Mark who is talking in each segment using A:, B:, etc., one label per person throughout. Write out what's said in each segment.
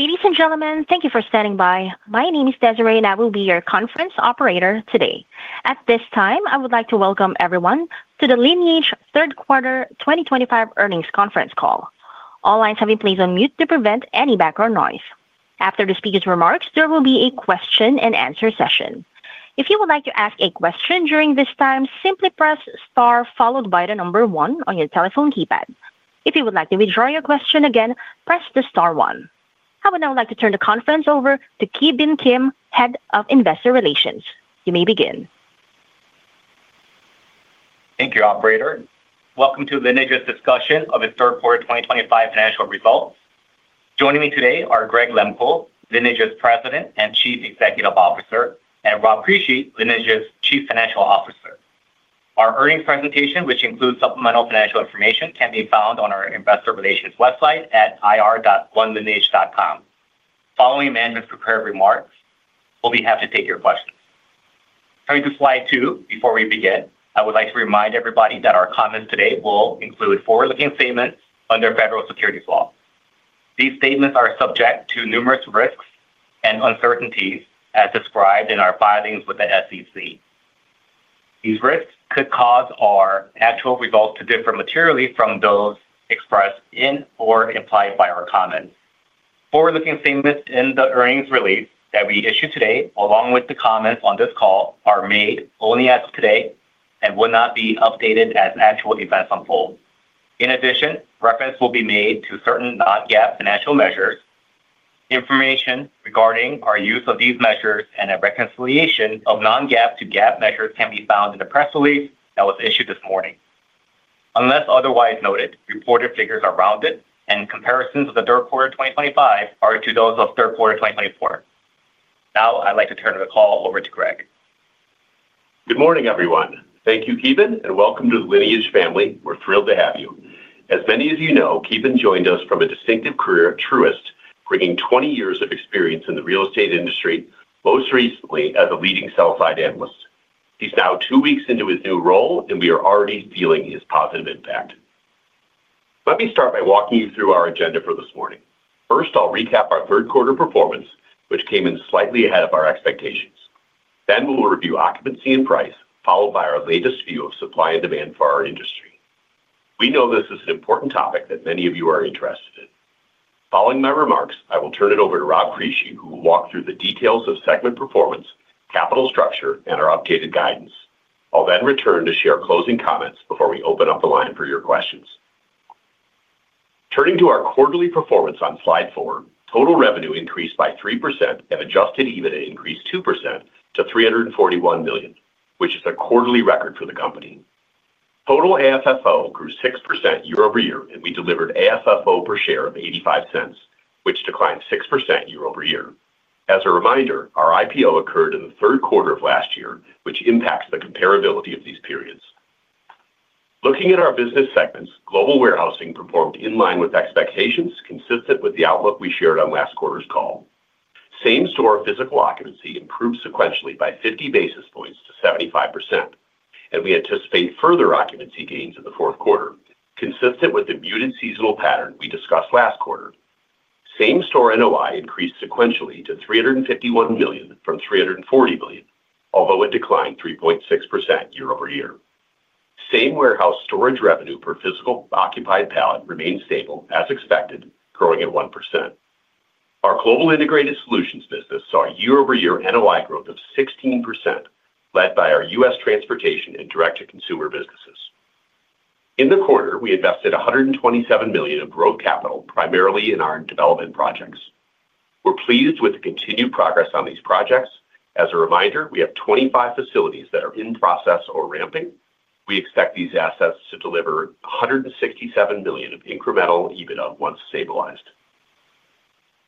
A: Ladies and gentlemen, thank you for standing by. My name is Desiree and I will be your conference operator today. At this time, I would like to welcome everyone to the Lineage Third Quarter 2025 Earnings Conference Call. All lines have been placed on mute to prevent any background noise. After the speaker's remarks, there will be a question-and-answer session. If you would like to ask a question during this time, simply press star followed by the number one on your telephone keypad. If you would like to withdraw your question, again, press the star one. I would now like to turn the conference over to Ki Bin Kim, Head of Investor Relations. You may begin.
B: Thank you, operator. Welcome to Lineage's discussion of its third quarter 2025 financial results. Joining me today are Greg Lehmkuhl, Lineage's President and Chief Executive Officer, and Rob Crisci, Lineage's Chief Financial Officer. Our earnings presentation, which includes supplemental financial information, can be found on our Investor Relations website at ir.onelineage.com. Following management's prepared remarks, we'll be happy to take your questions. Turning to slide two. Before we begin, I would like to remind everybody that our comments today will include forward-looking statements under federal securities law. These statements are subject to numerous risks and uncertainties as described in our filings with the SEC. These risks could cause our actual results to differ materially from those expressed in or implied by our comments. Forward-looking statements in the earnings release that we issued today along with the comments on this call are made only as of today and will not be updated as actual events unfold. In addition, reference will be made to certain non-GAAP financial measures. Information regarding our use of these measures and a reconciliation of non-GAAP to GAAP measures can be found in the press release that was issued this morning. Unless otherwise noted, reported figures are rounded and comparisons of the third quarter 2025 are to those of third quarter 2024. Now I'd like to turn the call over to Greg.
C: Good morning everyone. Thank you, Ki Bin, and welcome to the Lineage family. We're thrilled to have you. As many as you know, Ki Bin joined us from a distinctive career at Truist, bringing 20 years of experience in the real estate industry, most recently as a leading sell-side analyst. He's now two weeks into his new role and we are already feeling his positive impact. Let me start by walking you through our agenda for this morning. First, I'll recap our third quarter performance which came in slightly ahead of our expectations. Then we'll review occupancy and price, followed by our latest view of supply and demand for our industry. We know this is an important topic that many of you are interested in. Following my remarks, I will turn it over to Rob Crisci, who will walk through the details of segment performance, capital structure and our updated guidance. I'll then return to share closing comments before we open up the line for your questions. Turning to our quarterly performance on slide four, total revenue increased by 3% and adjusted EBITDA increased 2% to $341 million, which is a quarterly record for the company. Total AFFO grew 6% year-over-year and we delivered AFFO per share of $0.85 which declined 6% year-over-year. As a reminder, our IPO occurred in the third quarter of last year which impacts the comparability of these periods. Looking at our business segments, global warehousing performed in line with expectations consistent with the outlook we shared on last quarter's call. Same-store physical occupancy improved sequentially by 50 basis points to 75% and we anticipate further occupancy gains in the fourth quarter consistent with the muted seasonal pattern we discussed last quarter. Same-store NOI increased sequentially to $351 million from $340 million, although it declined 3.6% year-over-year. Same warehouse storage revenue per physical occupied pallet remains stable as expected, growing at 1%. Our global integrated solutions business saw year-over-year NOI growth of 16%, led by our U.S. transportation and direct-to-consumer businesses. In the quarter, we invested $127 million of growth capital, primarily in our development projects. We're pleased with the continued progress on these projects. As a reminder, we have 25 facilities that are in process or ramping. We expect these assets to deliver $167 million of incremental EBITDA once stabilized.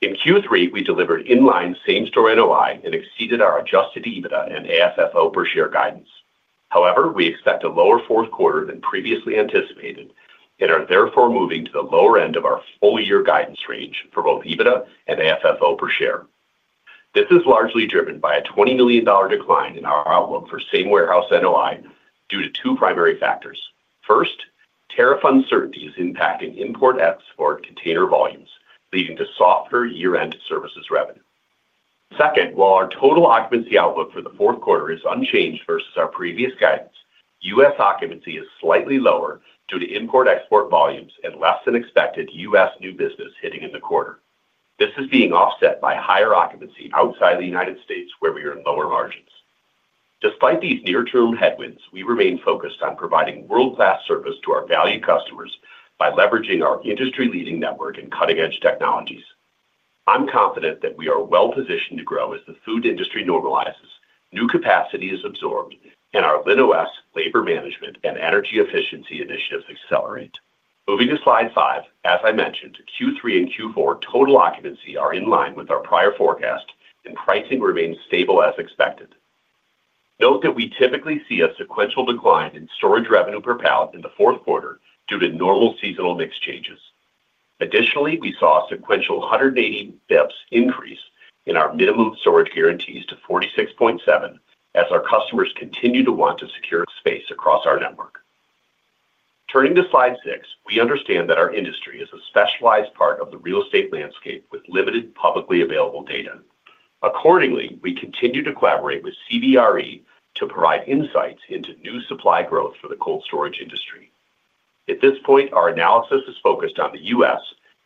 C: In Q3, we delivered in-line same-store NOI and exceeded our adjusted EBITDA and AFFO per share guidance. However, we expect a lower fourth quarter than previously anticipated and are therefore moving to the lower end of our full-year guidance range for both EBITDA and AFFO per share. This is largely driven by a $20 million decline in our outlook for same warehouse NOI due to two primary factors. First, tariff uncertainty is impacting import export container volumes, leading to softer year-end services revenue. Second, while our total occupancy outlook for the fourth quarter is unchanged versus our previous guidance, U.S. occupancy is slightly lower due to import export volumes and less-than-expected U.S. new business hitting in the quarter. This is being offset by higher occupancy outside the United States, where we are in lower margins too. Despite these near-term headwinds, we remain focused on providing world class service to our valued customers by leveraging our industry-leading network and cutting-edge technologies. I'm confident that we are well positioned to grow as the food industry normalizes, new capacity is absorbed, and our LinOS, labor management, and energy efficiency initiatives accelerate. Moving to slide five as I mentioned, Q3 and Q4 total occupancy are in line with our prior forecast and pricing remains stable as expected. Note that we typically see a sequential decline in storage revenue per pallet in the fourth quarter due to normal seasonal mix changes. Additionally, we saw a sequential 180 basis points increase in our minimum storage guarantees to 46.7% as our customers continue to want to secure space across our network. Turning to slide six, we understand that our industry is a specialized part of the real estate landscape with limited publicly available data. Accordingly, we continue to collaborate with CBRE to provide insights into new supply growth for the cold storage industry. At this point, our analysis is focused on the U.S.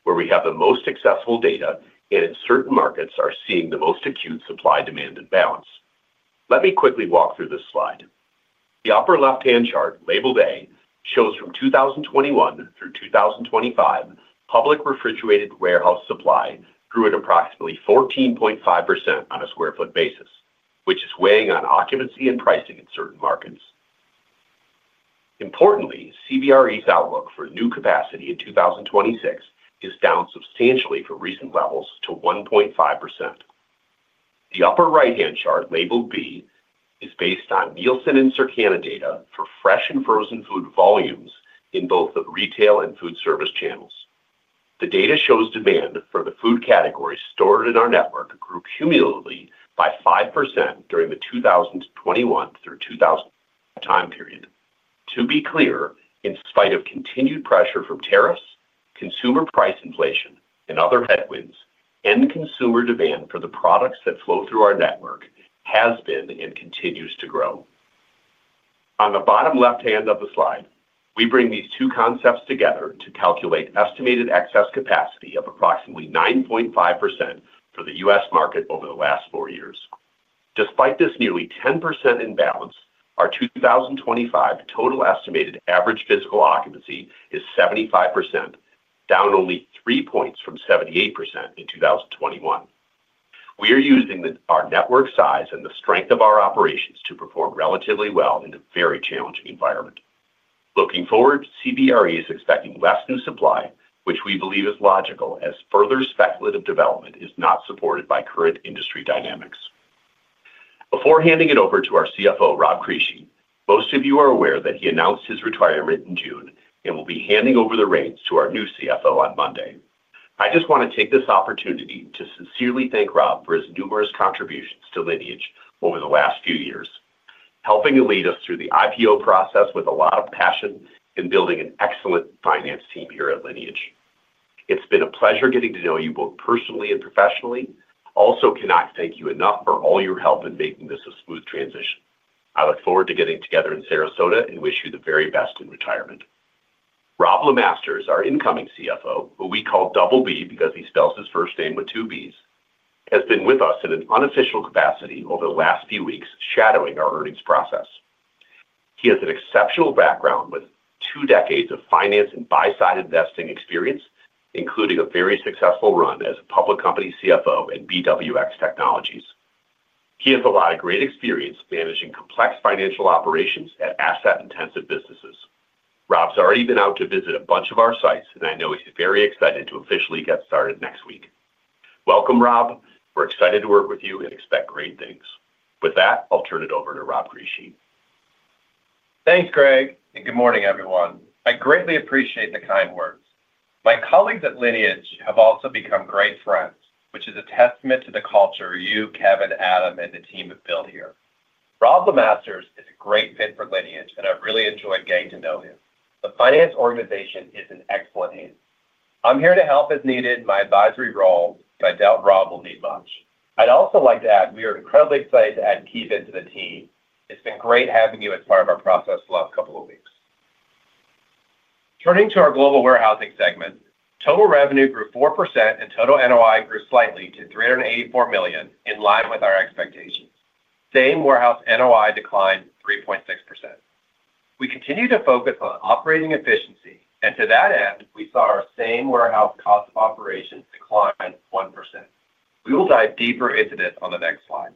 C: where we have the most accessible data and in certain markets are seeing the most acute supply demand imbalance. Let me quickly walk through this slide. The upper left-hand chart labeled A shows from 2021 through 2025, public refrigerated warehouse supply grew at approximately 14.5% on a sq ft basis, which is weighing on occupancy and pricing in certain markets. Importantly, CBRE's outlook for new capacity in 2026 is down substantially from recent levels to 1.5%. The upper right-hand chart labeled B is based on Nielsen and Circana data for fresh and frozen food volumes in both the retail and food service channels. The data shows demand for the food categories stored in our network grew cumulatively by 5% during the 2021 through 2025 time period. To be clear, in spite of continued pressure from tariffs, consumer price inflation and other headwinds, end-consumer demand for the products that flow through our network has been and continues to grow. On the bottom left-hand of the slide, we bring these two concepts together to calculate estimated excess capacity of approximately 9.5% for the U.S. market over the last four years. Despite this nearly 10% imbalance, our 2025 total estimated average physical occupancy is 75%, down only three points from 78% in 2021. We are using our network size and the strength of our operations to perform relatively well in a very challenging environment. Looking forward, CBRE is expecting less new supply, which we believe is logical as further speculative development is not supported by current industry dynamics. Before handing it over to our CFO, Rob Crisci. Most of you are aware that he announced his retirement in June and will be handing over the reins to our new CFO on Monday. I just want to take this opportunity to sincerely thank Rob for his numerous contributions to Lineage over the last few years, helping to lead us through the IPO process with a lot of passion and building an excellent finance team here at Lineage. It's been a pleasure getting to know you both personally and professionally. Also cannot thank you enough for all your help in making this a smooth transition. I look forward to getting together in Sarasota and wish you the very best in retirement. Robb LeMasters, our incoming CFO, who we call BB because he spells his first name with two Bs, has been with us at an unofficial capacity over the last few weeks, shadowing our earnings process. He has an exceptional background with two decades of finance and buy-side investing experience, including a very successful run as a public company CFO at BWX Technologies. He has a lot of great experience managing complex financial operations at asset intensive businesses. Robb's already been out to visit a bunch of our sites and I know he's very excited to officially get started next week. Welcome Robb. We're excited to work with you and expect great things. With that, I'll turn it over to Rob Crisci.
D: Thanks Greg and good morning everyone. I greatly appreciate the kind words. My colleagues at Lineage have also become great friends, which is a testament to the culture you, Ki Bin, Adam and the team have built here. Robb LeMasters is a great fit for Lineage and I've really enjoyed getting to know him. The finance organization is an excellent agent. I'm here to help as needed in my advisory role, but I doubt Robb will need much. I'd also like to add we are incredibly excited to add Ki Bin into the team. It's been great having you as part of our process last couple of weeks. Turning to our global warehousing segment, total revenue grew 4% and total NOI grew slightly to $384 million in line with our expectations. Same warehouse NOI declined 3.6%. We continue to focus on operating efficiency and to that end we saw our same warehouse cost of operations decline 1%. We will dive deeper into this on the next slide.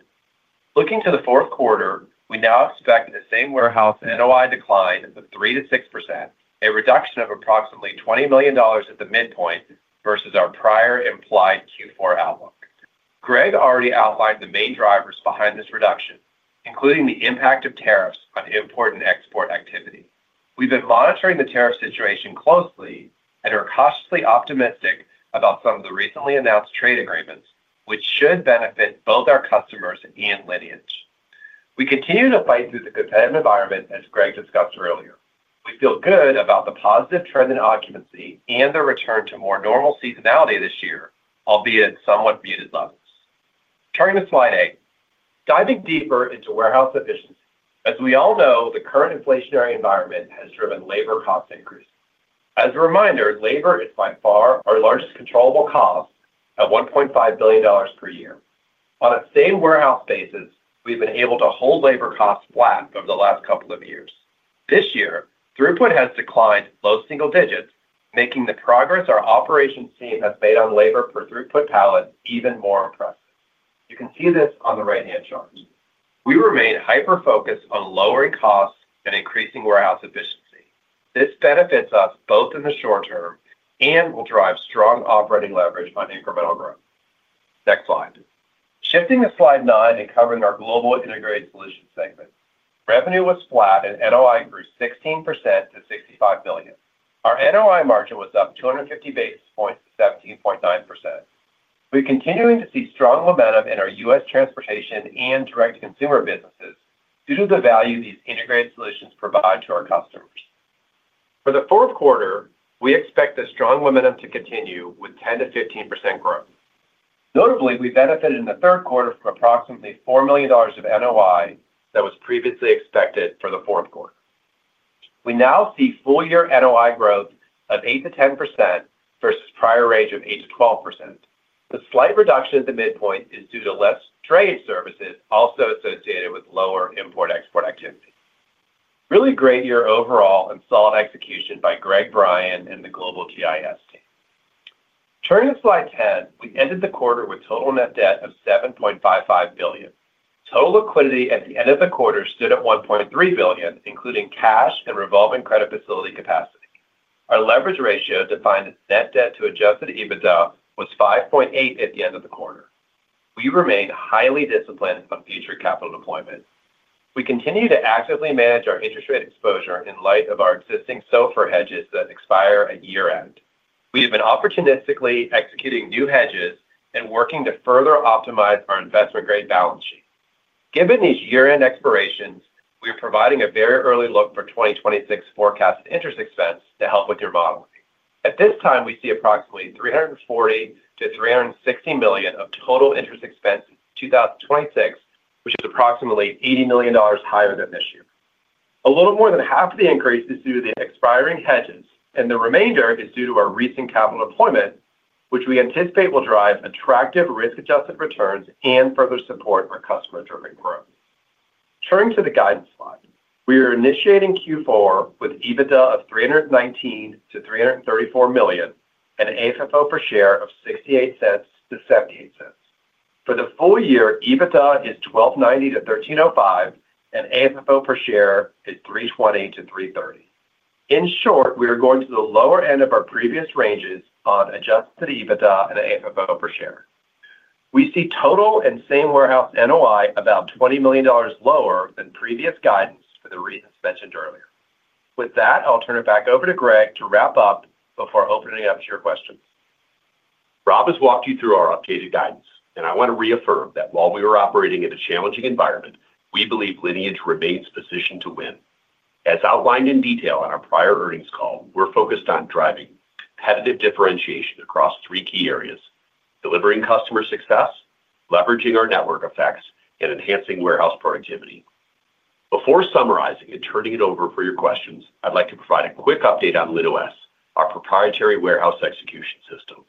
D: Looking to the fourth quarter, we now expect the same warehouse NOI decline of 3%-6%, a reduction of approximately $20 million at the midpoint versus our prior implied Q4 outlook. Greg already outlined the main drivers behind this reduction, including the impact of tariffs on import and export activity. We have been monitoring the tariff situation closely and are cautiously optimistic about some of the recently announced trade agreements which should benefit both our customers and Lineage. We continue to fight through the competitive environment. As Greg discussed earlier, we feel good about the positive trend in occupancy and the return to more normal seasonality this year, albeit somewhat muted levels. Turning to slide eight, diving deeper into warehouse efficiency, as we all know, the current inflationary environment has driven labor cost increase. As a reminder, labor is by far our largest controllable cost at $1.5 billion per year. On a same warehouse basis, we have been able to hold labor costs flat over the last couple of years. This year, throughput has declined low single digits, making the progress our operations team has made on labor per throughput pallet even more impressive. You can see this on the right-hand chart. We remain hyper focused on lowering costs and increasing warehouse efficiency. This benefits us both in the short term and will drive strong operating leverage on incremental growth. Next slide. Shifting to slide nine and covering our Global Integrated Solutions segment. Revenue was flat and NOI grew 16% to $65 million. Our NOI margin was up 250 basis points to 17.9%. We are continuing to see strong momentum in our U.S. transportation direct-to-consumer businesses due to the value these integrated solutions provide to our customers. For the fourth quarter, we expect the strong momentum to continue with 10%-15% growth. Notably, we benefited in the third quarter from approximately $4 million of NOI that was previously expected for the fourth quarter. We now see full-year NOI growth of 8%-10% versus prior range of 8%-12%. The slight reduction at the midpoint is due to less trade services also associated with lower import export activity. Really great year overall and solid execution by Greg, Brian and the Global GIS team. Turning to slide 10, we ended the quarter with total net debt of $7.55 billion. Total liquidity at the end of the quarter stood at $1.3 billion including cash and revolving credit facility capacity. Our leverage ratio, defined as net debt to adjusted EBITDA, was 5.8x at the end of the quarter. We remain highly disciplined on future capital deployment. We continue to actively manage our interest rate exposure in light of our existing SOFR hedges that expire at year-end. We have been opportunistically executing new hedges and working to further optimize our investment-grade balance sheet. Given these year-end expirations, we are providing a very early look for 2026 forecasted interest expense to help with your model. At this time, we see approximately $340 million-$360 million of total interest expense in 2026 which is approximately $80 million higher than this year. A little more than half of the increase is due to the expiring hedges and the remainder is due to our recent capital deployment which we anticipate will drive attractive risk-adjusted returns and further support our customer-driven growth. Turning to the guidance slide, we are initiating Q4 with EBITDA of $319 million-$334 million and AFFO per share of $0.68-$0.78. For the full year, EBITDA is $1,290 million-$1,305 million and AFFO per share is $3.20-$3.30. In short, we are going to the lower end of our previous ranges on adjusted EBITDA and AFFO per share. We see total and same warehouse NOI about $20 million lower than previous guidance for the reasons mentioned earlier. With that, I'll turn it back over to Greg to wrap up before opening up to your questions.
C: Rob has walked you through our Optavia guidance and I want to reaffirm that while we are operating in a challenging environment, we believe Lineage remains positioned to win. As outlined in detail on our prior earnings call, we're focused on driving competitive differentiation across three key delivering customer success, leveraging our network effects, and enhancing warehouse productivity. Before summarizing and turning it over for your questions, I'd like to provide a quick update on LinOS, our proprietary warehouse execution system.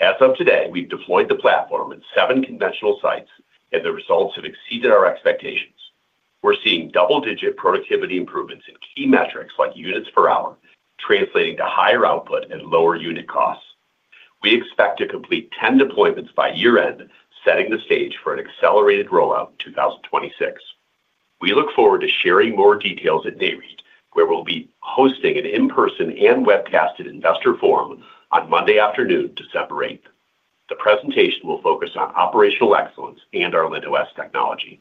C: As of today, we've deployed the platform in seven conventional sites and the results have exceeded our expectations. We're seeing double-digit productivity improvements in key metrics like units per hour, translating to higher output and lower unit costs. We expect to complete 10 deployments by year-end, setting the stage for an accelerated rollout in 2026. We look forward to sharing more details at NAREIT, where we'll be hosting an in-person and webcasted investor forum on Monday afternoon. The presentation will focus on operational excellence and our LinOS technology.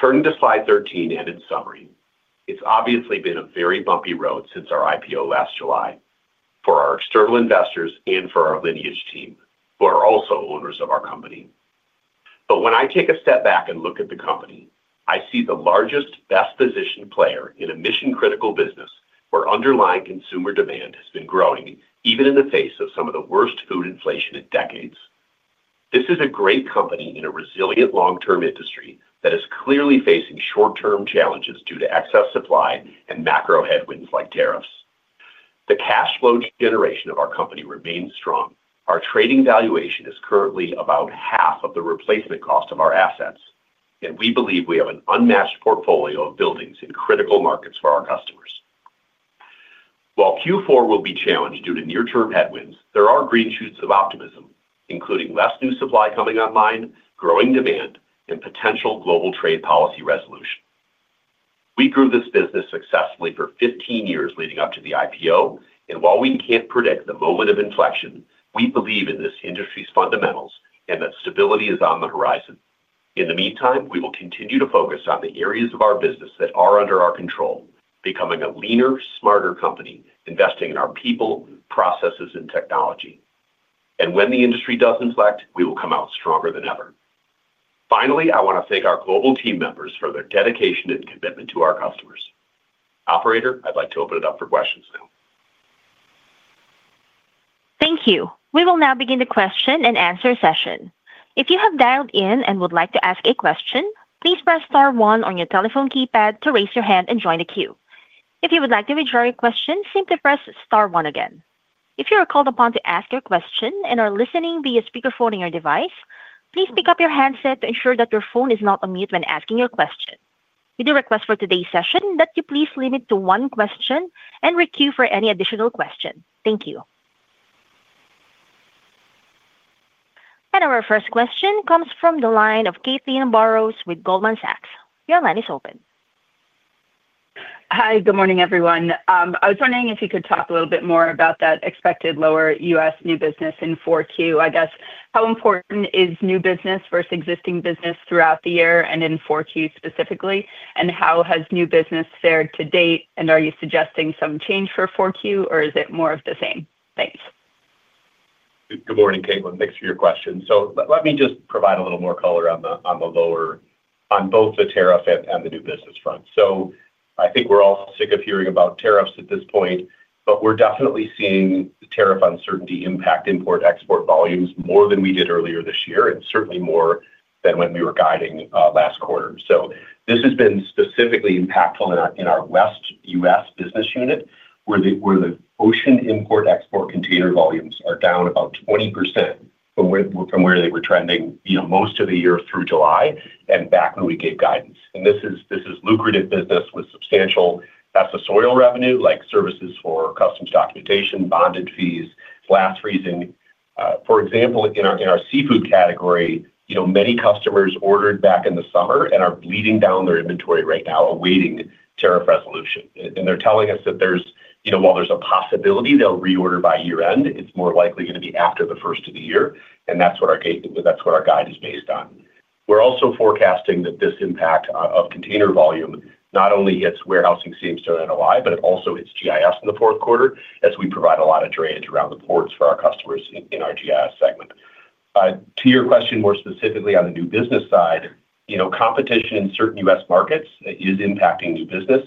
C: Turning to slide 13 and its summary, it's obviously been a very bumpy road since our IPO last July for our external investors and for our Lineage team who are also owners of our company. When I take a step back and look at the company, I see the largest, best positioned player in a mission-critical business where underlying consumer demand has been growing even in the face of some of the worst food inflation in decades. This is a great company in a resilient long-term industry that is clearly facing short-term challenges due to excess supply and macro headwinds like tariffs. The cash flow generation of our company remains strong. Our trading valuation is currently about half of the replacement cost of our assets, and we believe we have an unmatched portfolio of buildings in critical markets for our customers. While Q4 will be challenged due to near-term headwinds, there are green shoots of optimism, including less new supply coming online, growing demand, and potential global trade policy resolution. We grew this business successfully for 15 years leading up to the IPO. While we can't predict the moment of inflection, we believe in this industry's fundamentals and that stability is on the horizon. In the meantime, we will continue to focus on the areas of our business that are under our control, becoming a leaner, smarter company, investing in our people, processes, and technology. When the industry does inflect, we will come out stronger than ever. Finally, I want to thank our global team members for their dedication and commitment to our customers. Operator, I'd like to open it up for questions now.
A: Thank you. We will now begin the question-and-answer session. If you have dialed in and would like to ask a question, please press star one on your telephone keypad to raise your hand and join the queue. If you would like to withdraw your question, simply press star one again. If you are called upon to ask your question and are listening via speakerphone on your device, please pick up your handset to ensure that your phone is not on mute when asking your question. We do request for today's session that you please limit to one question and request for any additional question. Thank you. Our first question comes from the line of Caitlin Burrows with Goldman Sachs, your line is open.
E: Hi, good morning everyone. I was wondering if you could talk a little bit more about that expected lower U.S. new business in 4Q. I guess how important is new business versus existing business throughout the year and in 4Q specifically? How has new business fared to date? Are you suggesting some change for 4Q or is it more of the same? Thanks.
C: Good morning, Caitlin. Thanks for your question. Let me just provide a little more color on the lower on both the tariff and the new business front. I think we're all sick of hearing about tariffs at this point, but we're definitely seeing tariff uncertainty impact import export volumes more than we did earlier this year and certainly more than when we were guiding last quarter. This has been specifically impactful in our West U.S. business unit where the ocean import export container volumes are down about 20% from where they were trending most of the year through July and back when we gave guidance. This is lucrative business with substantial, that's the soil revenue like services for customs documentation, bonded fees, blast freezing, for example, in our seafood category, you know, many customers ordered back in the summer and are bleeding down their inventory right now awaiting tariff resolution. They're telling us that there's, you know, while there's a possibility they'll reorder by year-end, it's more likely going to be after the first of the year. That's what our guide is based on. We're also forecasting that this impact of container volume not only hits warehousing same-store NOI, but it also hits GIS in the fourth quarter as we provide a lot of drayage around the ports for our customers in our GIS segment. To your question, more specifically on the new business side, you know, competition in certain U.S. markets is impacting new business.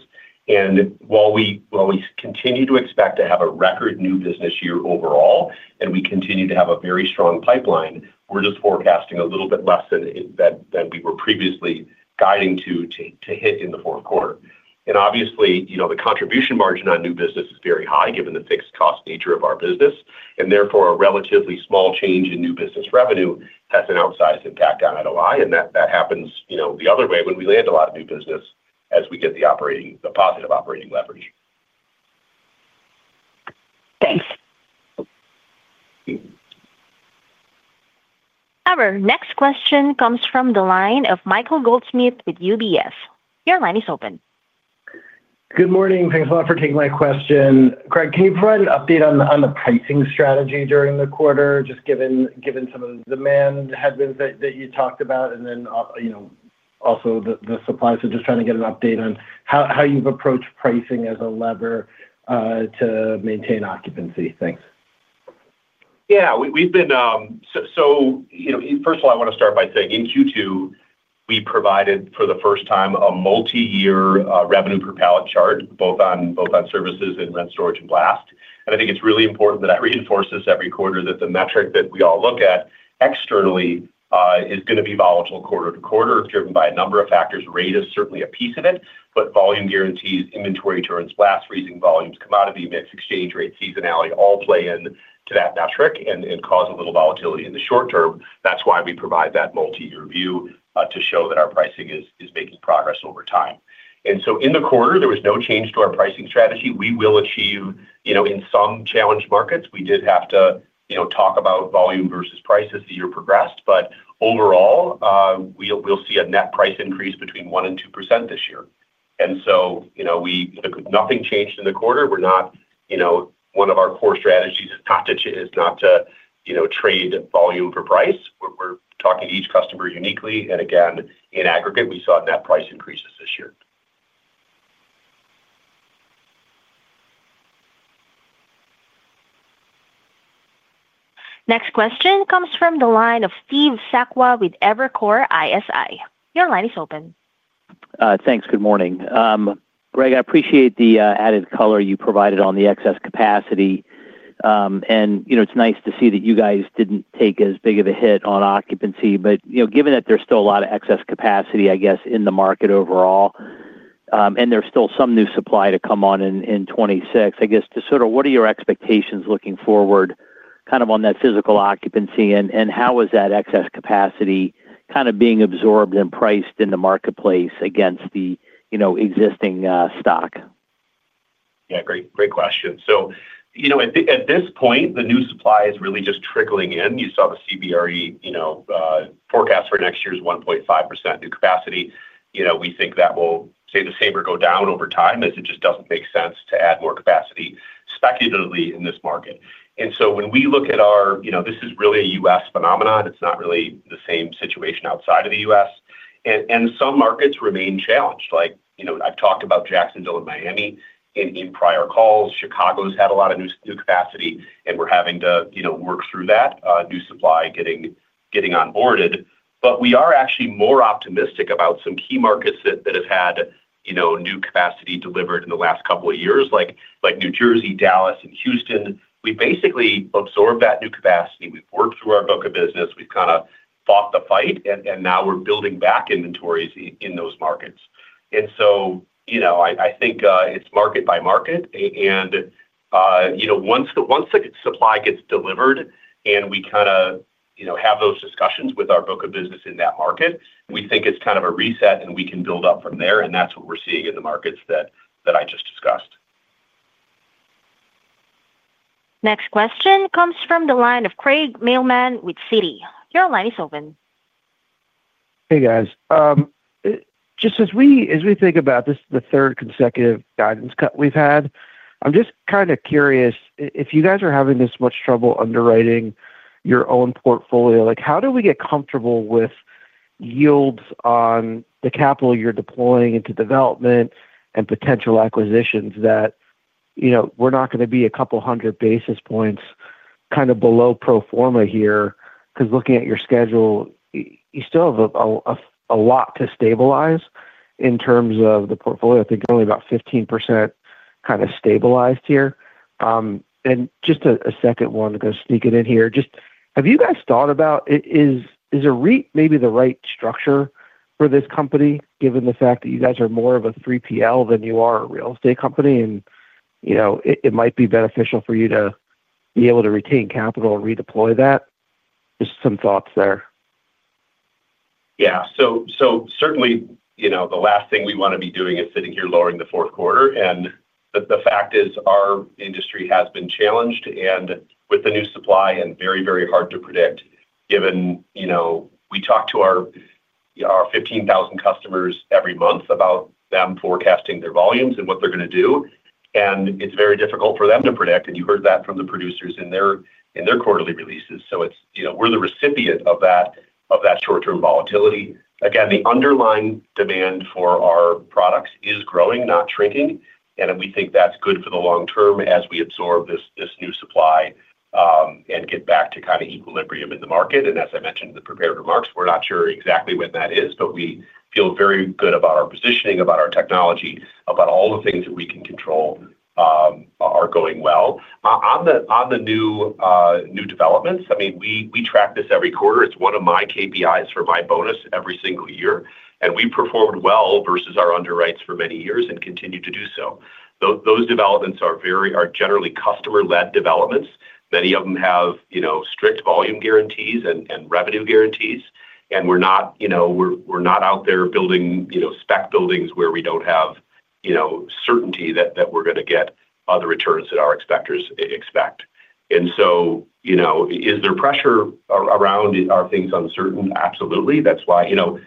C: While we always continue to expect to have a record new business year overall and we continue to have a very strong pipeline, we're just forecasting a little bit less than we were previously guiding to hit in the fourth quarter. Obviously, the contribution margin on new business is very high given the fixed cost nature of our business. Therefore, a relatively small change in new business revenue has an outsized impact on NOI. That happens the other way when we land a lot of new business as we get the positive operating leverage.
E: Thanks.
A: Our next question comes from the line of Michael Goldsmith with UBS. Your line is open.
F: Good morning. Thanks a lot for taking my question. Greg, can you provide an update on the pricing strategy during the quarter? Just given some of the demand headwinds that you talked about. Also, the suppliers are just trying to get an update on how you've approached pricing as a leverage to maintain occupancy. Thanks.
C: Yeah, we've been so. You know, first of all, I want to start by saying in Q2 we provided for the first time a multi-year revenue per pallet chart both on, both on services and rent, storage and blast. I think it's really important that I reinforce this every quarter that the metric that we all look at externally is going to be volatile quarter-to-quarter driven by a number of factors. Rate is certainly a piece of it, but volume guarantees, inventory turns, blast freezing volumes, commodity mix, exchange rate, seasonality all play into that metric and cause a little volatility in the short term. That is why we provide that multi-year view to show that our pricing is making progress over time. In the quarter, there was no change to our pricing strategy. We will achieve in some challenged markets. We did have to talk about volume versus price as the year progressed, but overall, we will see a net price increase between 1% and 2% this year. You know, nothing changed in the quarter. We are not, you know, one of our core strategies is not to, you know, trade volume for price. We are talking to each customer uniquely. Again, in aggregate, we saw net price increases this year.
A: Next question comes from the line of Steve Sakwa with Evercore ISI. Your line is open.
G: Thanks. Good morning, Greg. I appreciate the added color you provided on the excess capacity. You know, it's nice to see that you guys didn't take as big of a hit on occupancy. You know, given that there's still a lot of excess capacity, I guess, in the market overall, and there's still some new supply to come on in 2026, I guess, what are your expectations looking forward on that physical occupancy and how is that excess capacity being absorbed and priced in the marketplace against the existing stock?
C: Yeah, great. Great question. At this point, the new supply is really just trickling in. You saw the CBRE forecast for next year's 1.5% new capacity. You know, we think that will stay the same or go down over time as it just does not make sense to add more capacity speculatively in this market. When we look at our, you know, this is really a U.S. phenomenon. It is not really the same situation outside of the U.S. and some markets remain challenged. Like, you know, I have talked about Jacksonville and Miami in prior calls. Chicago has had a lot of new capacity. We are having to, you know, work through that new supply getting onboarded. We are actually more optimistic about some key markets that have had, you know, new capacity delivered in the last couple of years. Like, like New Jersey, Dallas and Houston. We basically absorbed that new capacity. We have worked through our book of business. We have kind of fought the fight, and now we are building back inventories in those markets. You know, I think it's market-by-market. Once the supply gets delivered and we kind of, you know, have those discussions with our book of business in that market, we think it's kind of a reset and we can build up from there. That's what we're seeing in the markets that I just discussed.
A: Next question comes from the line of Craig Mailman with Citi. Your line is open.
H: Hey guys, just as we think about this, the third consecutive guidance cut we've had. I'm just kind of curious if you guys are having this much trouble underwriting your own portfolio. Like how do we get comfortable with yields on the capital you're deploying into development and potential acquisitions that, you know, we're not going to be a couple hundred basis points kind of below pro forma here because looking at your schedule, you still have a lot to stabilize in terms of the portfolio. I think only about 15% kind of stabilized here. And just a second one to go sneak it in here. Just have you guys thought about is, is a REIT maybe the right structure for this company given the fact that you guys are more of a 3PL than you are a real estate company and you know, it might be beneficial for you to be able to retain capital and redeploy that. Just some thoughts there.
C: Yeah, so certainly, you know, the last thing we want to be doing is sitting here lowering the fourth quarter. The fact is our industry has been challenged and with the new supply and very, very hard to predict given, you know, we talk to our 15,000 customers every month about them forecasting their volumes and what they're going to do and it's very difficult for them to predict. You heard that from the producers in their quarterly releases. It's, you know, we're the recipient of that short term volatility. Again, the underlying demand for our products is growing, not shrinking. We think that's good for the long term as we absorb this new supply and get back to kind of equilibrium in the market. As I mentioned in the prepared remarks, we're not sure exactly when that is, but we feel very good about our positioning, about our technology, about all the things that we can control are going well on the new developments. I mean, we track this every quarter. It's one of my KPIs for by bonus every single year. We performed well versus our underwrites for many years and continue to do so. Those developments are generally customer-led developments. Many of them have strict volume guarantees and revenue guarantees. We're not, you know, we're not out there building, you know, spec buildings where we don't have, you know, certainty that we're going to get other returns that our expecters expect. Is there pressure around, are things uncertain? Absolutely. That's why, you know,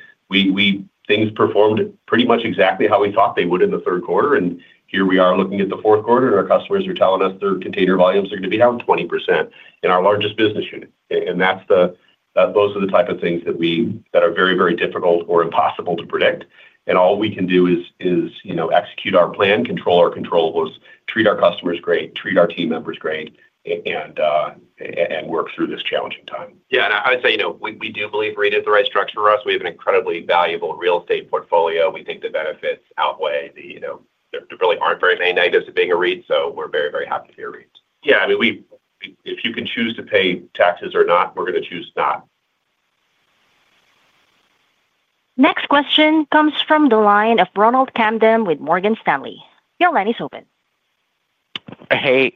C: things performed pretty much exactly how we thought they would in the third quarter. Here we are looking at the fourth quarter and our customers are telling us their container volumes are going to be down 20% in our largest business unit. Those are the type of things that are very, very difficult or impossible to predict. All we can do is, you know, execute our plan, control our controllables, treat our customers great, treat our team members great and work through this challenging time.
D: Yeah. I would say, you know, we do believe REIT is the right structure for us. We have an incredibly valuable real estate portfolio. We think the benefits outweigh the, you know, there really are not very many negatives of being a REIT. We are very, very happy to be a REIT.
C: Yeah, I mean we, if you can choose to pay taxes or not, we are going to choose not.
A: Next question comes from the line of Ronald Kamdem with Morgan Stanley. Your line is open.
I: Hey,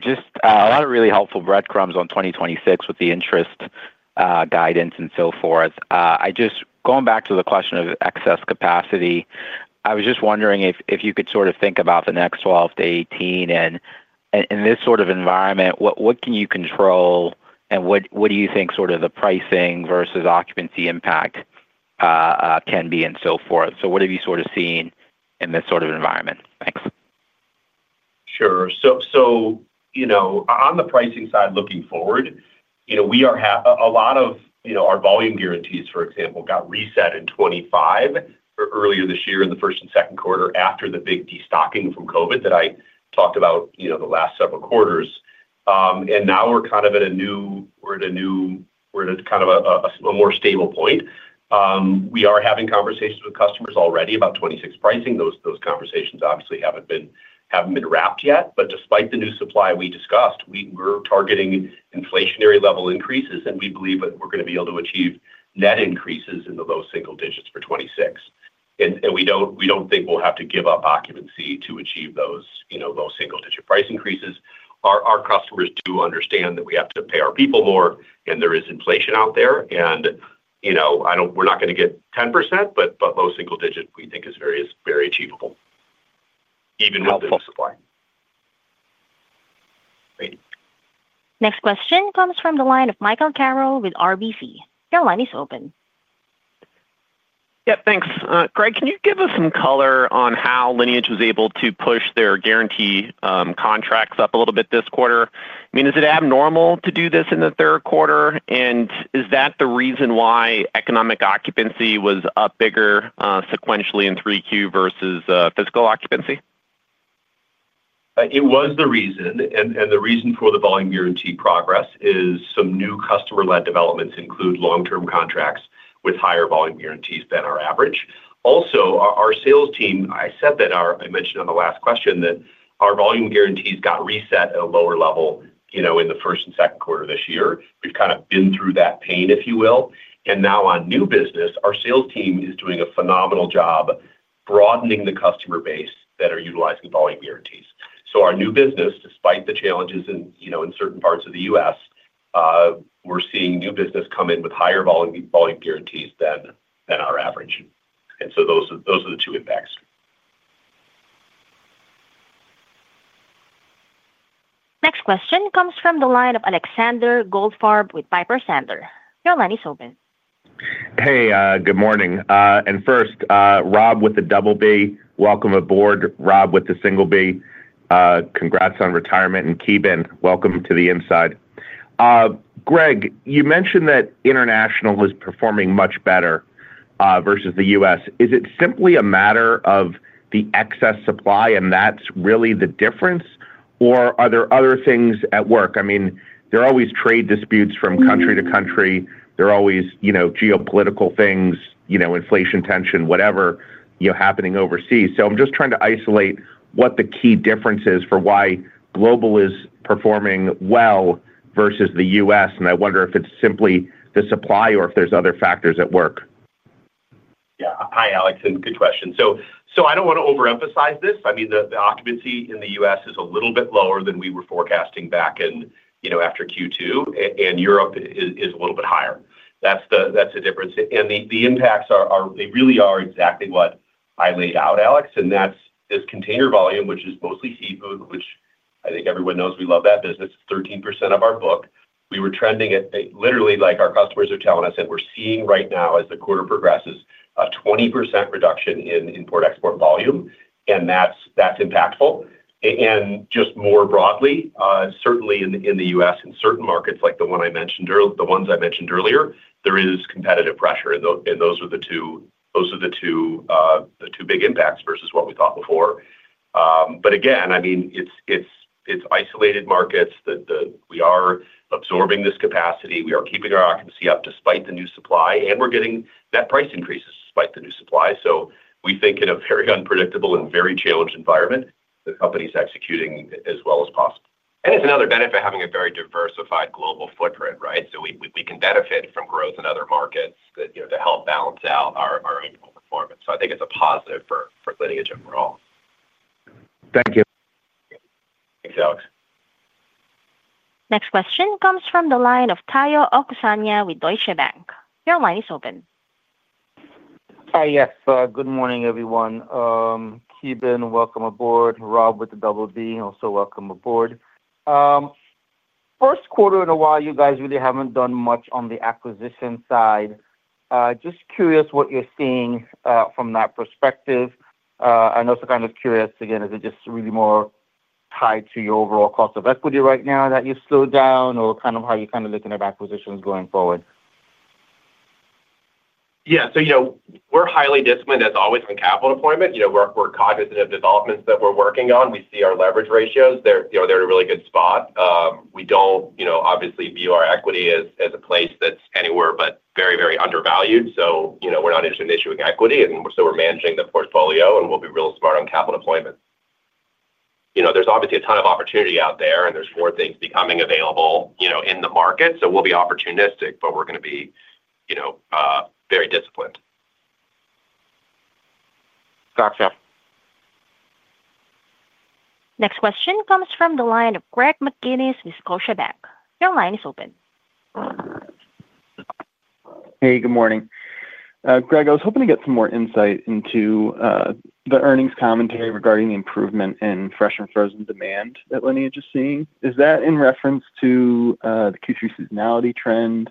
I: just a lot of really helpful breadcrumbs on 2026 with the interest guidance and so forth. I just, going back to the question of excess capacity, I was just wondering if you could sort of think about the next 12 to 18 and in this sort of environment, what can you control and what do you think sort of the pricing versus occupancy impact can be and so forth. What have you sort of seen in this sort of environment? Thanks.
C: Sure. You know, on the pricing side, looking forward, we are, a lot of our volume guarantees, for example, got reset in 2025 earlier this year in the first and second quarter after the big destocking from COVID that I talked about the last several quarters. Now we're kind of at a new, we're at a new, we're kind of a more stable point. We are having conversations with customers already about 2026 pricing. Those conversations obviously have not been wrapped yet. Despite the new supply we discussed, we were targeting inflationary-level increases and we believe that we're going to be able to achieve net increases in the low single digits for 2026. We do not think we'll have to give up occupancy to achieve those low single digit price increases. Our customers do understand that we have to pay our people more and there is inflation out there and we're not going to get 10%. Low single digit we think is very achievable even within supply.
A: Next question comes from the line of Michael Carroll with RBC. Yeah, line is open.
J: Yep, thanks, Greg. Can you give us some color on how Lineage was able to push their guarantee contracts up a little bit this quarter? I mean, is it abnormal to do this in the third quarter and is that the reason why economic occupancy was up bigger sequentially in 3Q versus fiscal occupancy?
C: It was the reason. The reason for the volume guarantee progress is some new customer-led developments include long-term contracts with higher volume guarantees than our average. Also, our sales team, I said that, I mentioned on the last question that our volume guarantees got reset at a lower level, you know, in the first and second quarter this year. We've kind of been through that pain, if you will. Now on new business, our sales team is doing a phenomenal job broadening the customer base that are utilizing volume guarantees. Our new business, despite the challenges and, you know, in certain parts of the U.S., we're seeing new business come in with higher volume guarantees than our average. Those are the two impacts.
A: Next question comes from the line of Alexander Goldfarb with Piper Sandler. Your line is open.
K: Hey, good morning. First, Robb with the double B, welcome aboard. Rob with the single B, congrats on retirement. And Ki Bin, welcome to the inside. Greg, you mentioned that International is performing much better versus the U.S. Is it simply a matter of the excess supply and that's really the difference, or are there other things at work? I mean, there are always trade disputes from country-to-country. There are always, you know, geopolitical things, you know, inflation, tension, whatever happening overseas. I'm just trying to isolate what the key difference is for why Global is performing well versus the U.S. I wonder if it's simply the supply or if there are other factors at work.
C: Yeah. Hi, Alex. Good question. I don't want to overemphasize this. I mean, the occupancy in the U.S. is a little bit lower than we were forecasting back in, you know, after Q2 and Europe is a little bit higher. That's the difference. The impacts, they really are exactly what I laid out, Alex. That's this container volume, which is mostly seafood, which I think everyone knows, we love that business. 13% of our book, we were trending at literally like our customers are telling us that we're seeing right now as the quarter progresses, a 20% reduction in import export volume. That's impactful and just more broadly, certainly in the U.S. in certain markets like the ones I mentioned earlier, there is competitive pressure and those are the two, the two big impacts versus what we thought before. Again, I mean, it's isolated markets that we are absorbing this capacity. We are keeping our occupancy up despite the new supply and we're getting that price increases despite the new supply. We think in a very unpredictable and very challenged environment, the company is executing as well as possible.
D: It is another benefit having a very diversified global footprint. Right. We can benefit from growth in other markets to help balance out our overall performance. I think it's a positive for Lineage in general.
K: Thank you.
D: Thanks, Alex.
A: Next question comes from the line of Tayo Okusanya with Deutsche Bank. Your line is open.
L: Yes. Good morning, everyone. Ki Bin, welcome aboard. Robb with the double B also, welcome aboard. First quarter in a while. You guys really have not done much on the acquisition side. Just curious what you are seeing from that perspective. Also kind of curious again, is it just really more tied to your overall cost of equity right now that you slowed down or kind of how you are looking at acquisitions going forward?
C: Yeah. You know, we are highly disciplined as always on capital deployment. You know, we are cognizant of developments that we are working on. We see our leverage ratios, they are in a really good spot. We do not, you know, obviously view our equity as a place that is anywhere but very, very undervalued. You know, we are not interested in issuing equity and we are managing the portfolio and we will be real smart on capital deployment. You know, there's obviously a ton of opportunity out there and there's more things becoming available, you know, in the market. We will be opportunistic, but we're going to be, you know, very disciplined.
L: Gotcha.
A: Next question comes from the line of Greg McGinniss with Scotiabank. Your line is open.
M: Hey, good morning, Greg. I was hoping to get some more insight into the earnings commentary regarding the improvement in fresh and frozen demand that Lineage is seeing. Is that in reference to the Q3 seasonality trend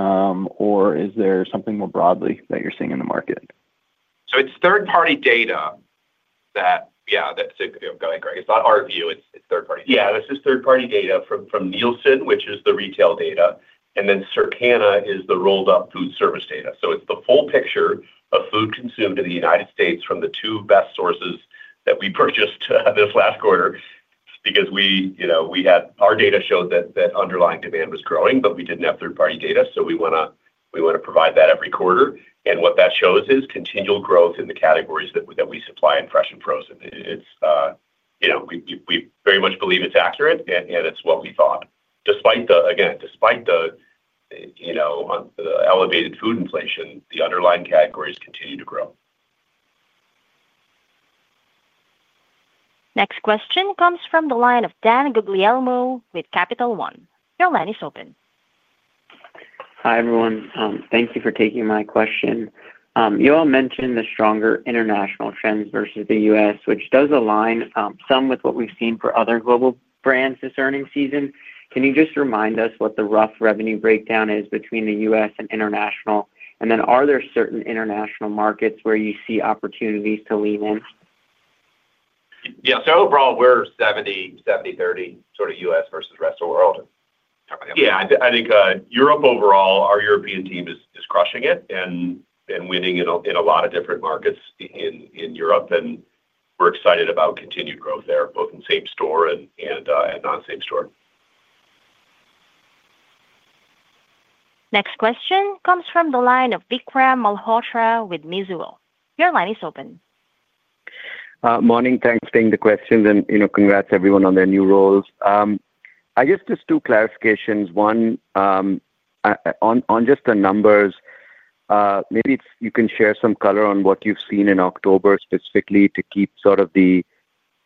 M: or is there something more broadly that you're seeing in the market?
C: It's third-party data that. Yeah, that's going. Greg. It's not our view, it's third-party data.
D: Yeah, this is third-party data from Nielsen, which is the retail data and then Circana is the rolled-up food service data. It's the full picture of food consumed in the United States from the two best sources that we purchased this last quarter because we, you know, we had our data showed that underlying demand was growing, but we didn't have third-party data. We want to provide that every quarter. What that shows is continual growth in the categories that we supply in fresh and frozen. It's, you know, we very much believe it's accurate and it's what we thought. Despite the, again, despite the, you know, elevated food inflation, the underlying categories continue to grow.
A: Next question comes from the line of Dan Guglielmo with Capital One. Your line is open.
N: Hi everyone. Thank you for taking my question. You all mentioned the stronger international trends versus the U.S., which does align some with what we've seen for other global brands this earnings season. Can you just remind us what the rough revenue breakdown is between the U.S. and international? Are there certain international markets where you see opportunities to lean in?
D: Yeah. Overall, we're 70, 70, 30 sort of U.S. versus rest of the world.
C: Yeah, I think Europe. Overall, our European team is crushing it and winning in a lot of different markets in Europe and excited about continued growth there, both in same-store and non same-store.
A: Next question comes from the line of Vikram Malhotra with Mizuho. Your line is open.
O: Morning. Thanks. Taking the questions and you know, congrats everyone on their new roles. I guess just two clarifications. One on just the numbers. Maybe you can share some color on what you've seen in October specifically to keep sort of the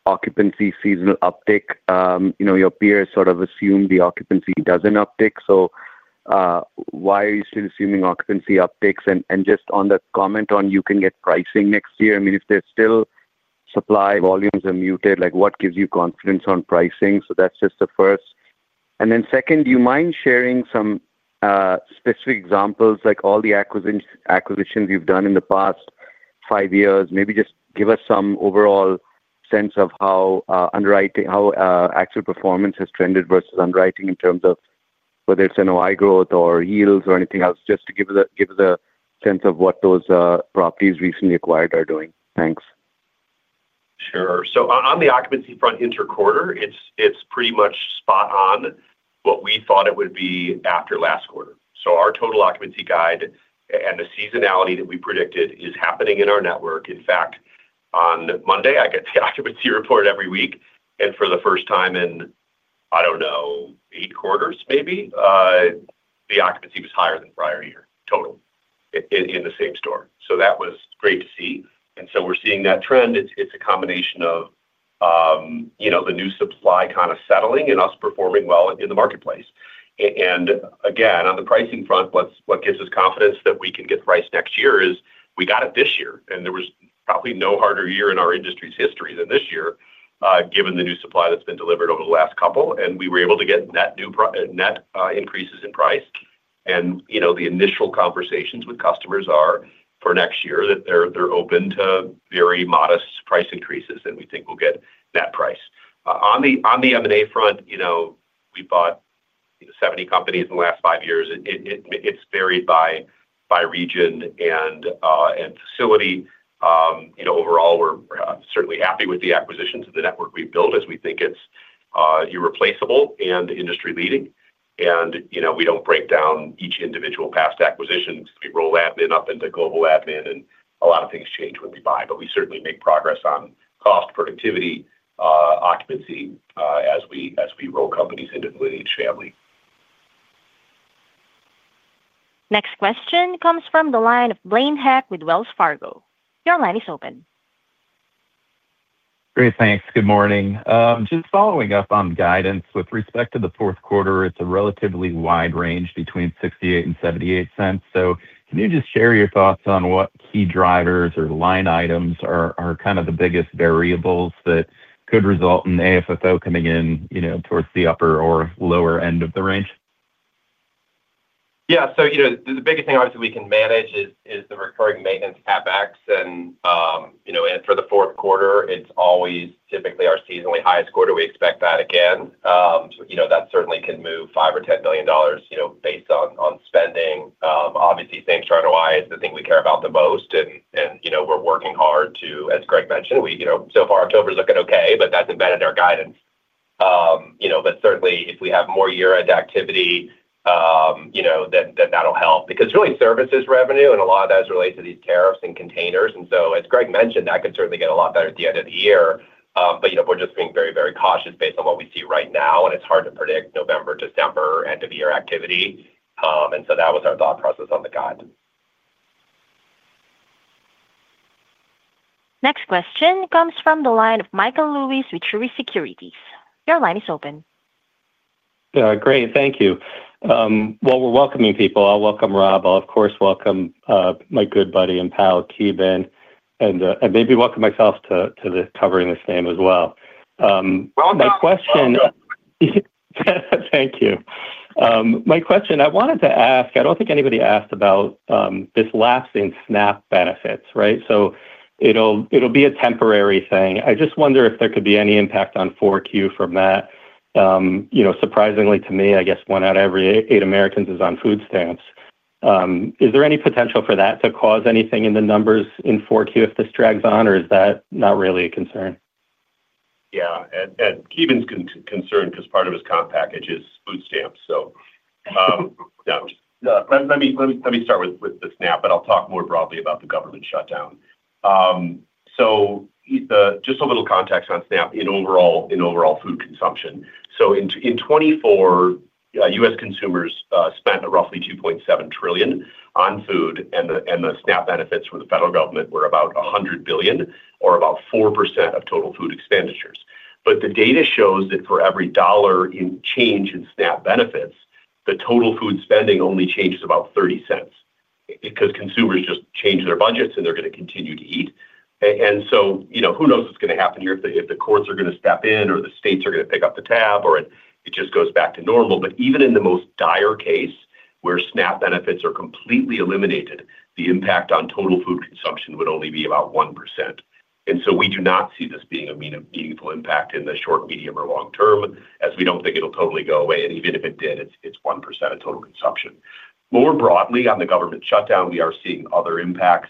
O: occupancy seasonal uptick. You know, your peers sort of assume the occupancy doesn't uptick. Why are you still assuming occupancy upticks? And just on the comment on you can get pricing next year, I mean if there's still supply volumes are muted, like what gives you confidence on pricing? That's just the first. Then second, do you mind sharing some specific examples like all the acquisitions you've done in the past five years. Maybe just give us some overall sense of how underwriting, how actual performance has trended versus underwriting in terms of whether it's NOI growth or yields or anything else, just to give the sense of what those properties recently acquired are doing. Thanks.
C: Sure. On the occupancy front inter quarter, it's pretty much spot on what we thought it would be after last quarter. Our total occupancy guide and the seasonality that we predicted is happening in our network. In fact, on Monday I get the occupancy report every week. For the first time in, I don't know, eight quarters maybe, the occupancy was higher than prior year total in the same-store. That was great to see. We are seeing that trend. It's a combination of, you know, the new supply kind of settling and us performing well in the marketplace. On the pricing front, what gives us confidence that we can get price next year is we got it this year and there was probably no harder year in our industry's history than this year given the new supply that's been delivered over the last couple. We were able to get net increases in price. You know, the initial conversations with customers for next year are that they're open to very modest price increases and we think we'll get that price. On the M&A front, we bought 70 companies in the last five years. It's varied by region and facility. Overall, we're certainly happy with the acquisitions and the network we've built as we think it's irreplaceable and industry-leading. You know, we don't break down each individual past acquisitions. We roll admin up into global admin and a lot of things change when we buy. We certainly make progress on cost productivity occupancy as we roll companies into the Lineage family.
A: Next question comes from the line of Blaine Heck with Wells Fargo. Your line is open.
P: Great, thanks. Good morning. Just following up on guidance with respect to the fourth quarter. It's a relatively wide range between $0.68 and $0.78. Can you just share your thoughts on what key drivers or line items are kind of the biggest variables that could result in AFFO coming in towards the upper or lower end of the range?
D: Yeah, the biggest thing obviously we can manage is the recurring maintenance CapEx. For the fourth quarter, it's always typically our seasonally highest quarter. We expect that again, that certainly can move $5 million or $10 million based on spending. Obviously same-store. NOI is the thing we care the most and you know, we're working hard to, as Greg mentioned, we, you know, so far October is looking okay, but that's embedded our guidance, you know, but certainly if we have more year-end activity, you know that that'll help because really services revenue and a lot of that relates to these tariffs and containers. As Greg mentioned, that could certainly get a lot better at the end of the year. You know, we're just being very, very cautious based on what we see right now, and it's hard to predict November, December, end-of-year activity. That was our thought process on the guide.
A: Next question comes from the line of Michael Lewis with Truist Securities. Your line is open.
Q: Great, thank you. While we're welcoming people, I'll welcome Robb. I'll of course welcome my good buddy and pal Ki Bin and maybe welcome myself to covering this name as well. My question. Thank you. My question I wanted to ask, I don't think anybody asked about this lapse in SNAP benefits. Right. So it'll, it'll be a temporary thing. I just wonder if there could be any impact on 4Q from that. You know, surprisingly to me, I guess one out of every eight Americans is on food stamps. Is there any potential for that to cause anything in the numbers in 4Q if this drags on, or is that not really a concern?
C: Yeah. And Ki Bin's concerned because part of his comp package is food stamps. So. Let me start with the SNAP, but I'll talk more broadly about the government shutdown. Just a little context on SNAP in overall, in overall food consumption. In 2024 U.S. consumers spent roughly $2.7 trillion on food, and the SNAP benefits from the federal government were about $100 billion, or about 4% of total food expenditures. The data shows that for every dollar in change in SNAP benefits, the total food spending only changes about $0.30 because consumers just change their budgets and they're going to continue to eat. You know, who knows what's going to happen here if the courts are going to step in or the states are going to pick up the tab or it just goes back to normal. Even in the most dire case where SNAP benefits are completely eliminated, the impact on total food consumption would only be about 1%. We do not see this being a meaningful impact in the short, medium, or long-term, as we do not think it will totally go away. Even if it did, it is 1% of total consumption. More broadly on the government shutdown, we are seeing other impacts.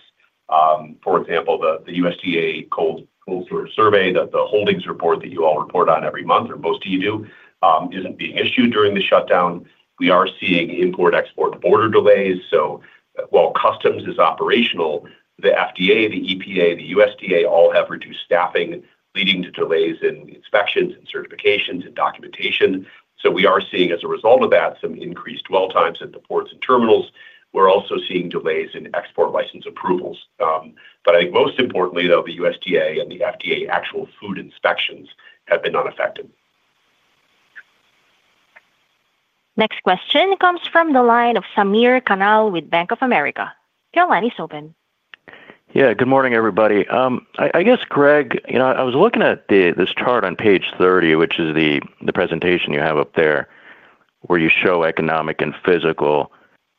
C: For example, the USDA cold storage survey, the holdings report that you all report on every month, or most of you do, is not being issued during the shutdown. We are seeing import-export border delays. While customs is operational, the FDA, the EPA, and the USDA all have reduced staffing, leading to delays in inspections, certifications, and documentation. We are seeing, as a result of that, some increased dwell times at the ports and terminals. We're also seeing delays in export license approvals. I think most importantly though, the USDA and the FDA, actual food inspections have been unaffected.
A: Next question comes from the line of Samir Khanal with Bank of America. Your line is open.
R: Yeah, good morning, everybody. I guess, Greg, you know, I was looking at this chart on page 30, which is the presentation you have up there where you show economic and physical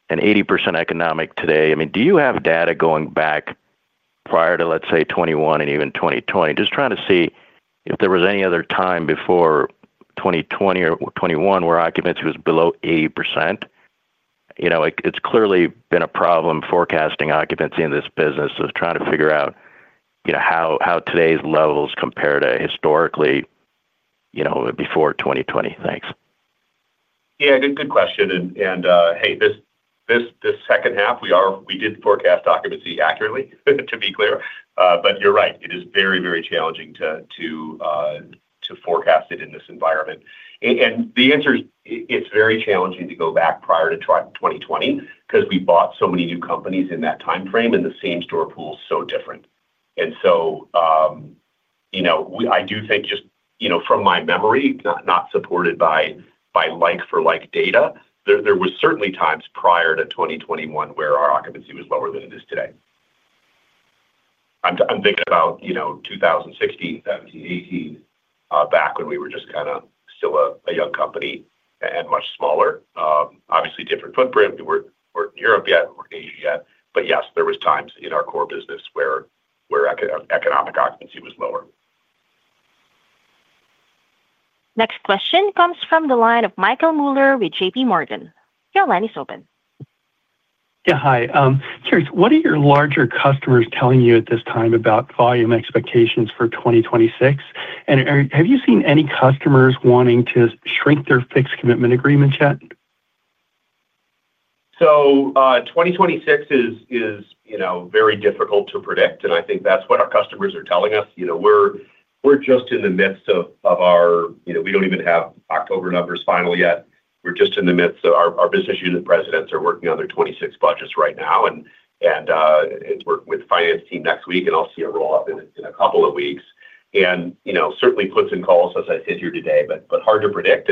R: and 80% economic today. I mean, do you have data going back prior to, let's say, 2021 and even 2020? Just trying to see if there was any other time before 2020 or 2021 where occupancy was below 80%. You know, it's clearly been a problem forecasting occupancy in this business is trying to figure out, you know, how today's levels compare to historically, you know, before 2020. Thanks.
C: Yeah, good question. Hey, this second half, we did forecast occupancy accurately, to be clear. You're right, it is very, very challenging to forecast it in this environment. The answer is it's very challenging to go back prior to 2020 because we bought so many new companies in that time frame and the same-store pool, so different. You know, I do think just, you know, from my memory, not supported by, by like-for-like, data. There was certainly times prior to 2021 where our occupancy was lower than it is today. I'm thinking about, you know, 2016, 2017, 2018, back when we were just kind of still a young company and much smaller, obviously different footprint. We weren't in Europe yet, we weren't in Asia yet. Yes, there was times in our core business where economic occupancy was lower.
A: Next question comes from the line of Michael Mueller with JPMorgan. Your line is open.
S: Yeah. Hi, curious, what are your larger customers telling you at this time about volume expectations for 2026? And have you seen any customers wanting to shrink their fixed commitment agreement yet?
C: 2026 is, you know, very difficult to predict. I think that's what our customers are telling us. You know, we're just in the midst of our, you know, we don't even have October numbers final yet. We're just in the midst of our business. Unit presidents are working on their 2026 budgets right now and work with finance team next week and I'll see a roll up in a couple of weeks and, you know, certainly puts and calls as I sit here today, but hard to predict.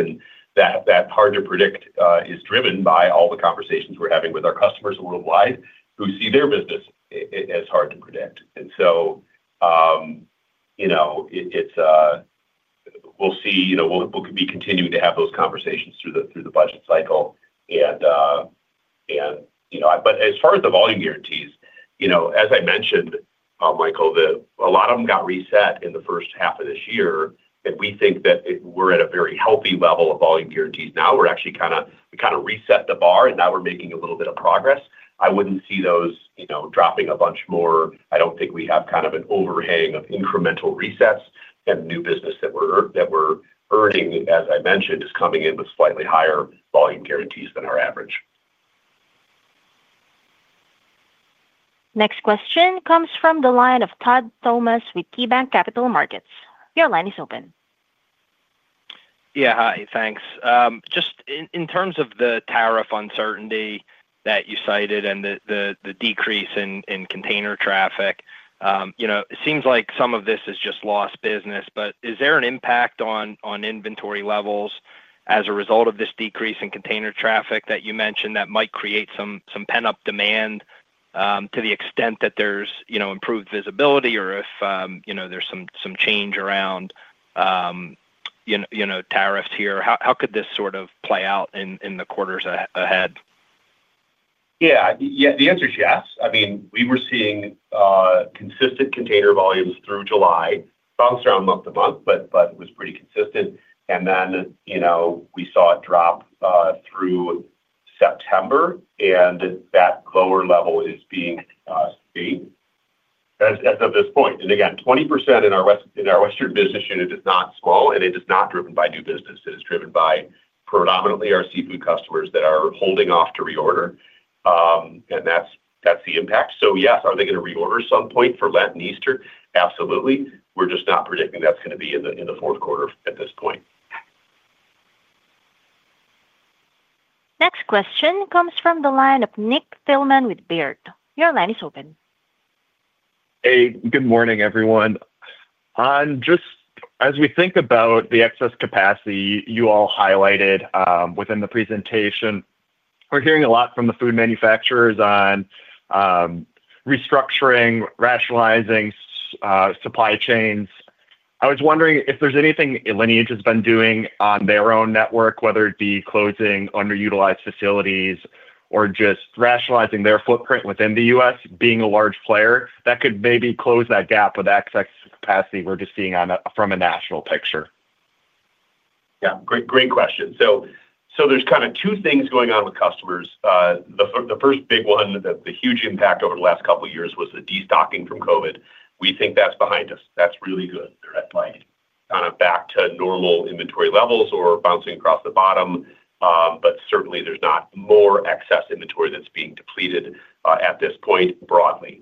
C: That hard to predict is driven by all the conversations we're having with our customers worldwide who see their business as hard to predict. You know, we'll see, you know, we'll be continuing to have those conversations through the budget cycle, and, you know, as far as the volume guarantees, as I mentioned, Michael, a lot of them got reset in the first half of this year and we think that we're at a very healthy level of volume guarantees now. We actually kind of reset the bar and now we're making a little bit of progress. I wouldn't see those dropping a bunch more. I don't think we have kind of an overhang of incremental resets and new business that we're earning, as I mentioned, is coming in with slightly higher volume guarantees than our average.
A: Next question comes from the line of Todd Thomas with KeyBanc Capital Markets. Your line is open.
T: Yeah, hi, thanks. Just in terms of the tariff uncertainty that you cited and the decrease in container traffic, you know, it seems like some of this is just lost business, but is there an impact on inventory levels as a result of this decrease in container traffic that you mentioned that might create some pent-up demand to the extent that there's improved visibility or if there's some change around, you know, tariffs here, how could this sort of play out in the quarters ahead?
C: Yeah, the answer is yes. I mean, we were seeing consistent container volumes through July, bounced around month-to-month, but it was pretty consistent. You know, we saw it drop through September. That lower level is being steep as of this point and again, 20% in our Western business unit is not small and it is not driven by new business. It is driven by predominantly our seafood customers that are holding off to reorder. That is the impact. Yes, are they going to reorder at some point for Lent and Easter? Absolutely. We are just not predicting that is going to be in the fourth quarter at this point.
A: Next question comes from the line of Nick Thillman with Baird. Your line is open.
U: Hey, good morning everyone. Just as we think about the excess capacity you all highlighted within the presentation, we're hearing a lot from the food manufacturers on restructuring, rationalizing supply chains. I was wondering if there's anything Lineage has been doing on their own network, whether it be closing underutilized facilities or just rationalizing their footprint within the U.S., being a large player that could maybe close that gap with excess capacity. We're just seeing from a national picture.
C: Yeah, great, great question. There's kind of two things going on with customers. The first big one, the huge impact over the last couple years was the destocking from COVID. We think that's behind us. That's really good, like kind of back to normal inventory levels or bouncing across the bottom. Certainly there's not more excess inventory that's being depleted at this point. Broadly,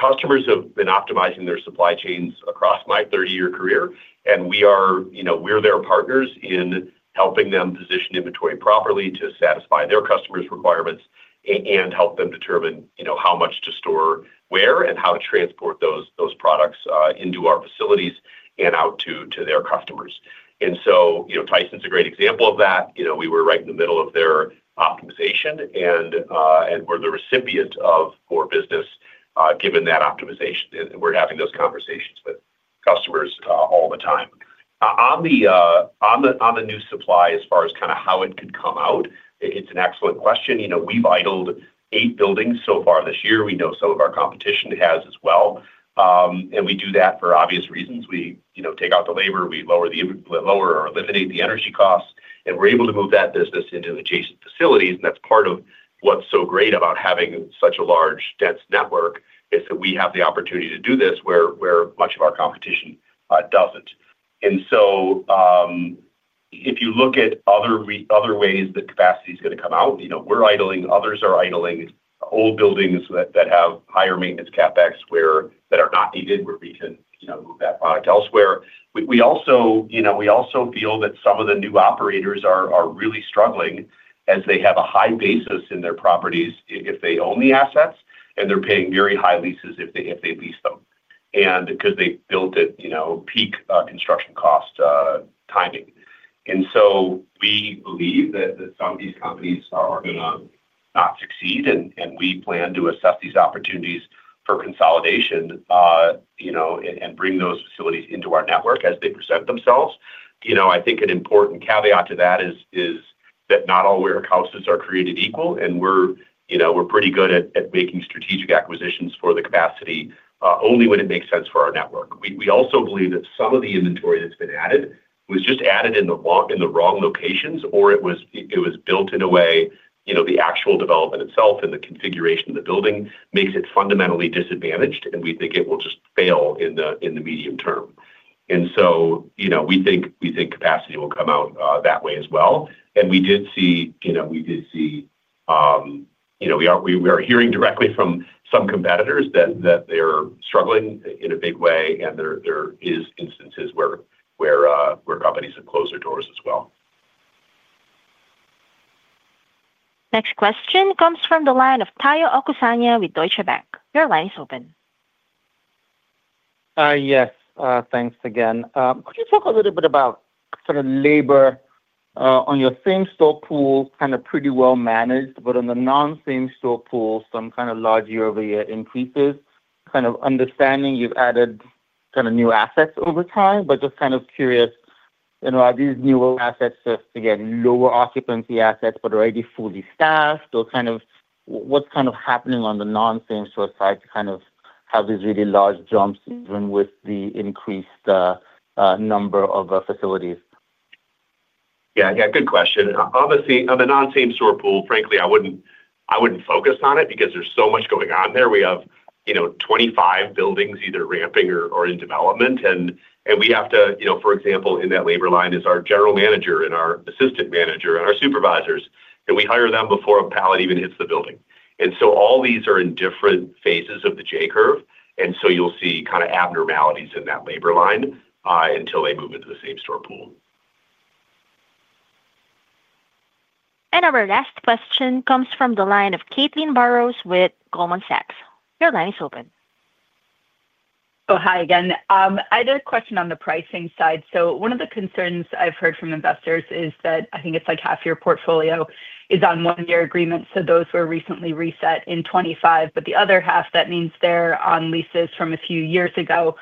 C: customers have been optimizing their supply chains across my 30-year career, and we are, you know, we're their partners in helping them position inventory properly to satisfy their customers' requirements and help them determine, you know, how much to store where and how to transport those products into our facilities and out to their customers. You know, Tyson's a great example of that. You know, we were right in the middle of their optimization, and we're the recipient of core business given that optimization. We're having those conversations with customers all the time. On the new supply, as far as kind of how it could come out, it's an excellent question. You know, we've idled eight buildings so far this year. We know some of our competition has as well, and we do that for obvious reasons. We take out the labor, we lower or eliminate the energy costs, and we are able to move that business into adjacent facilities. That is part of what is so great about having such a large, dense network, because we have the opportunity to do this where much of our competition does not. If you look at other ways that capacity is going to come out, we are idling, others are idling old buildings that have higher maintenance CapEx, that are not needed, where we can move that product elsewhere. We also, you know, we also feel that some of the new operators are really struggling as they have a high basis in their properties if they own the assets, and they are paying very high leases if they lease them, and because they built it, you know, peak construction cost timing. We believe that some of these companies are going to succeed and we plan to assess these opportunities for consolidation, you know, and bring those facilities into our network as they present themselves. You know, I think an important caveat to that is that not all warehouses are created equal. And we're, you know, we're pretty good at making strategic acquisitions for the capacity only when it makes sense for our network. We also believe that some of the inventory that's been added was just added in the wrong locations or it was built in a way, you know, the actual development itself and the configuration of the building makes it fundamentally disadvantaged and we think it will just fail in the medium term. You know, we think capacity will come out that way as well. We did see, you know, we are hearing directly from some competitors that they're struggling in a big way and there are instances where companies have closed their doors as well.
A: Next question comes from the line of Tayo Okusanya with Deutsche Bank. Your line is open.
L: Yes, thanks again. Could you talk a little bit about sort of labor on your same-store pool? Kind of pretty well managed but on the non same-store pool some kind of large year-over-year increases. Kind of understanding you've added kind of new assets over time. Just kind of curious, are these newer assets, again, lower occupancy assets but already fully staffed or kind of what's kind of happening on the non same-store side to kind of have these really large jumps even with the increased number of facilities?
C: Yeah, yeah, good question. Obviously on the non same-store pool, frankly I wouldn't focus on it because there's so much going on there. We have, you know, 25 buildings either ramping or in development. We have to, you know, for example in that labor line is our General Manager and our Assistant Manager and our Supervisors and we hire them before a pallet even hits the building. All these are in different phases of the J-curve. You will see kind of abnormalities in that labor line until they move into the same-store pool.
A: Our last question comes from the line of Caitlin Burrows with Goldman Sachs. Your line is open.
E: Oh, hi again. I did have a question on the pricing side. One of the concerns I have heard from investors is that I think it is like half your portfolio is on one-year agreements. Those were recently reset in 2025, but the other half, that means they are on leases from a few years ago.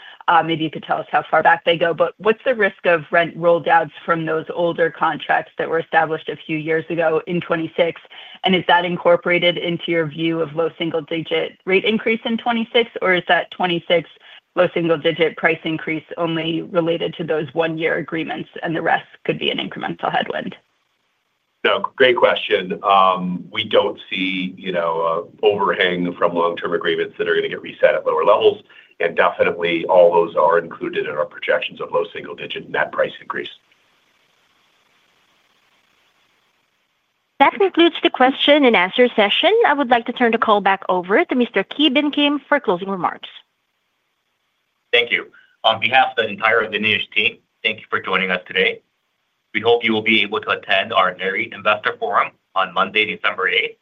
E: Maybe you could tell us how far back they go. What is the risk of rent rollouts from those older contracts that were established a few years ago in 2026? Is that incorporated into your view of low single-digit rate increase in 2026, or is that 2026 low single-digit price increase only related to those one-year agreements and the rest could be an incremental headwind?
C: No, great question. We do not see, you know, overhang from long term agreements that are going to get reset at lower levels. And definitely all those are included in our projections of low single-digit net price increase.
A: That concludes the question-and-answer session. I would like to turn the call back over to Mr. Ki Bin Kim for closing remarks.
B: Thank you. On behalf of the entire Lineage team, thank you for joining us today. We hope you will be able to attend our NAREIT Investor Forum on Monday, December 8,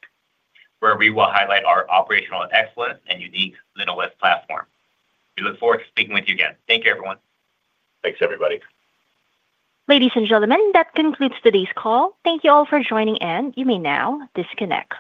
B: where we will highlight our operational excellence and unique LinOS platform. We look forward to speaking with you again. Thank you, everyone.
C: Thanks everybody.
A: Ladies and gentlemen, that concludes today's call. Thank you all for joining in. You may now disconnect.